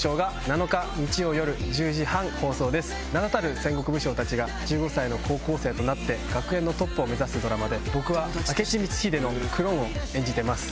名だたる戦国武将たちが１５歳の高校生となって学園のトップを目指すドラマで僕は明智光秀のクローンを演じてます